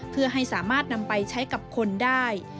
เพื่อให้สามารถนำไปใช้กับคนได้